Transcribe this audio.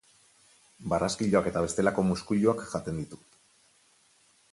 Barraskiloak eta bestelako muskuiluak jaten ditu.